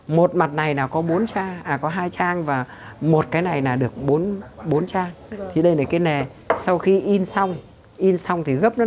một trang và đây một trang